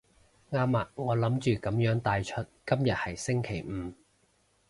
啱啊，我諗住噉樣帶出今日係星期五